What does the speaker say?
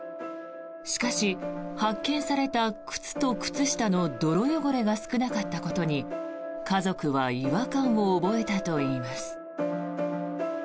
しかし、発見された靴と靴下の泥汚れが少なかったことに家族は違和感を覚えたといいます。